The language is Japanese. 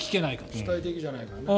主体的じゃないからね。